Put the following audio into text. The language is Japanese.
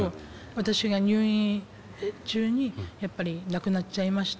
私が入院中にやっぱり亡くなっちゃいまして。